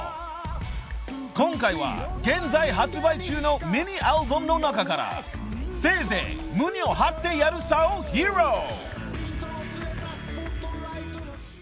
［今回は現在発売中のミニアルバムの中から『せいぜい胸を張ってやるさ。』を披露］